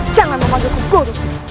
jangan memanduku guru